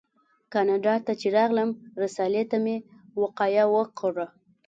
کاناډا ته چې راغلم رسالې ته مې وقایه ورکړه.